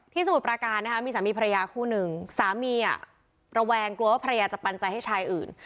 สมุทรปราการนะคะมีสามีภรรยาคู่หนึ่งสามีอ่ะระแวงกลัวว่าภรรยาจะปันใจให้ชายอื่น